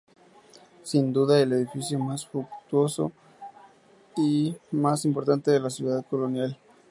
Sin duda el edificio más fastuoso y más importante en la ciudad colonial.